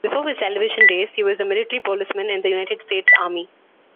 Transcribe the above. Before his television days, he was a Military Policeman in the United States Army.